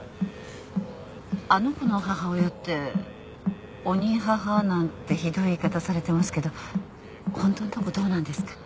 あの子の母親って鬼母なんてひどい言い方されてますけどホントのとこどうなんですか？